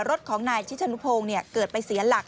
รถของนายชิชนุพงศ์เกิดไปเสียหลัก